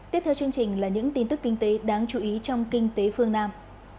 tiếp theo chương trình là những tin tức kinh tế đáng chú ý trong kinh tế phương nam